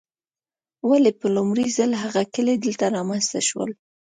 ولې په لومړي ځل هغه کلي دلته رامنځته شول.